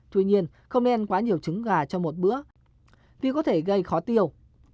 tuy nhiên không nên quá nhiều trứng gà cho một bữa vì có thể gây khó tiêu